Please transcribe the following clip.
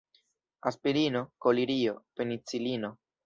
Aspirino, kolirio, penicilino.